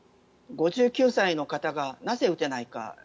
５９歳の方がなぜ、打てないか。